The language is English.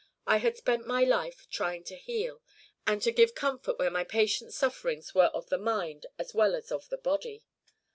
I had spent my life trying to heal, and to give comfort where my patient's sufferings were of the mind as well as of the body.